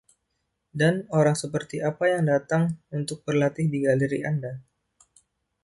Dan orang seperti apa yang datang untuk berlatih di galeri Anda?